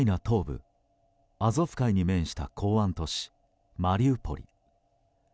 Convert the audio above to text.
東部アゾフ海に面した港湾都市マリウポリ。